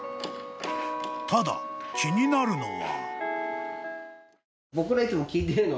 ［ただ気になるのは］